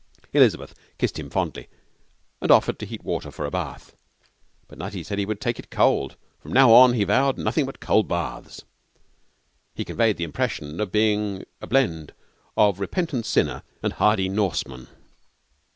Elizabeth kissed him fondly and offered to heat water for a bath; but Nutty said he would take it cold. From now on, he vowed, nothing but cold baths. He conveyed the impression of being a blend of repentant sinner and hardy Norseman.